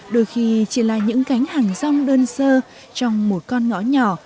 đôi khi chỉ là những cánh hàng rong đơn sơ trong một con ngõ nhỏ